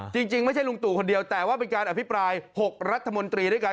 จริงไม่ใช่ลุงตู่คนเดียวแต่ว่าเป็นการอภิปราย๖รัฐมนตรีด้วยกัน